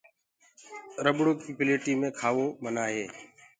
رٻڙو ڪيٚ پليٽي مي کآوو منآه هي۔